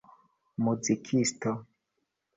muzikisto